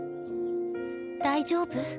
大丈夫？